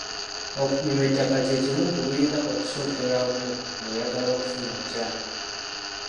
Okupima ettaka kye kimu ku birina okusookerwako ng’oyagala okufuna ekyapa.